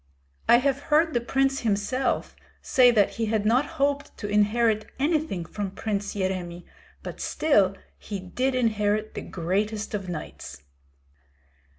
I have heard the prince himself say that he had not hoped to inherit anything from Prince Yeremi, but still he did inherit the greatest of knights."